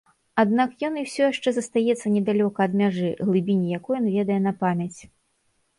Аднак ён усё яшчэ застаецца недалёка ад мяжы, глыбіні якой ён ведае на памяць.